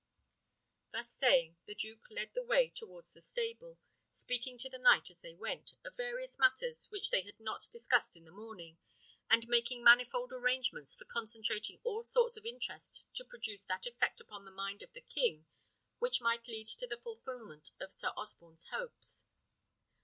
Thus saying, the duke led the way towards the stable, speaking to the knight, as they went, of various matters which they had not discussed in the morning, and making manifold arrangements for concentrating all sorts of interest to produce that effect upon the mind of the king which might lead to the fulfilment of Sir Osborne's hopes.